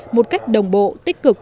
một cách đồng bộ tích cực